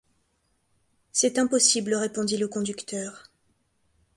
C’est impossible, répondit le conducteur.